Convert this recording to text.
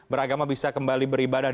beragama bisa kembali beribadah